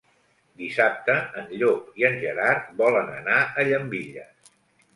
Dissabte en Llop i en Gerard volen anar a Llambilles.